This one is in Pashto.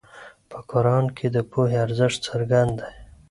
په قرآن کې د پوهې ارزښت څرګند دی.